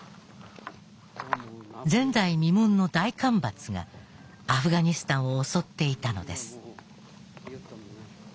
前代未聞の大干ばつがアフガニスタンを襲っていたのです。